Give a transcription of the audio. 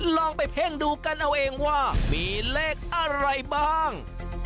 ลองไปเพ่งดูกันเอาเองว่ามีเลขอะไรบ้าง